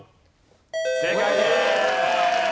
正解です。